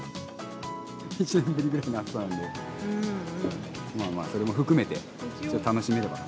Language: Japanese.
１年ぶりくらいの暑さなんで、まあまあ、それも含めて、楽しめれば。